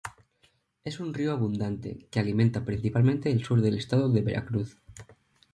Es un río abundante, que alimenta principalmente el sur del estado de Veracruz.